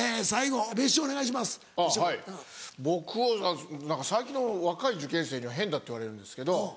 はい僕最近の若い受験生には変だって言われるんですけど。